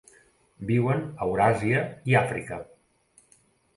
Viuen a Euràsia i Àfrica.